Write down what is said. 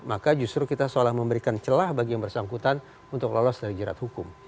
maka justru kita seolah memberikan celah bagi yang bersangkutan untuk lolos dari jerat hukum